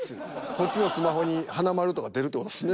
こっちのスマホに「華丸」とか出るって事ですね。